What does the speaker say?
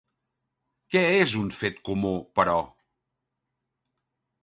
Què és un fet comú, però?